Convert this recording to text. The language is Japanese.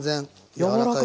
柔らかい。